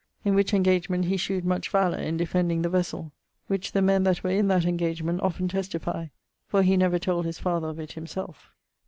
In which engagement he shewed much valour in defending the vessell; which the men that were in that engagement often testifye, for he never told his father of it himselfe.